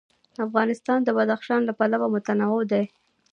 افغانستان د بدخشان له پلوه متنوع دی.